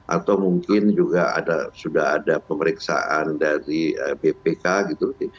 atau mungkin juga sudah ada pemeriksaan dari bpk gitu